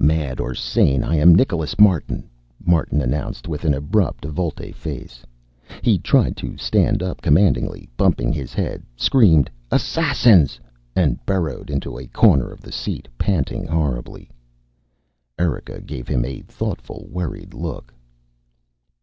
"Mad or sane, I am Nicholas Martin," Martin announced, with an abrupt volte face. He tried to stand up commandingly, bumped his head, screamed "Assassins!" and burrowed into a corner of the seat, panting horribly. Erika gave him a thoughtful, worried look.